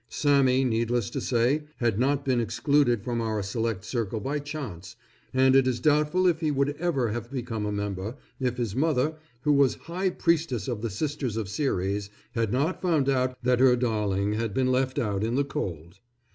Sammy, needless to say, had not been excluded from our select circle by chance, and it is doubtful if he would ever have become a member, if his mother, who was High Priestess of the Sisters of Ceres, had not found out that her darling had been left out in the cold.